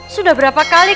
sudah berapa kali